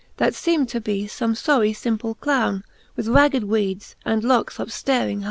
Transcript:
That feem'd to be fome forie fimple clowne. With ragged weedes, and lockes upftaring hye.